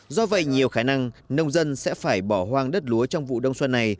do vậy nhiều khả năng nông dân sẽ phải bỏ hoang đất lúa trong vụ đông xuân này